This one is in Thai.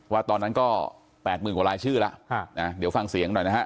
ว่าตอนนั้นก็๘๐๐๐กว่ารายชื่อแล้วเดี๋ยวฟังเสียงหน่อยนะฮะ